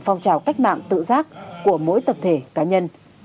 phong trào cách mạng tự giác của mỗi tập thể cá nhân